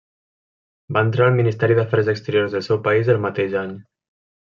Va entrar al Ministeri d'Afers Exteriors del seu país el mateix any.